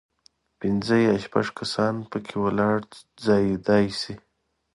پنځه یا شپږ کسان په کې ولاړ ځایېدای شي.